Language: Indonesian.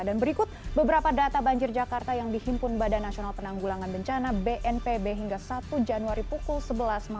dan berikut beberapa data banjir jakarta yang dihimpun badan nasional penanggulangan bencana bnpb hingga satu januari pukul sebelas malam